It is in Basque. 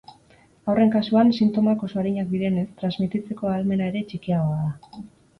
Haurren kasuan, sintomak oso arinak direnez, transmititzeko ahalmena ere txikiagoa da.